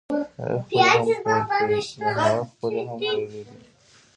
له هغه خپلې هم هېرې دي.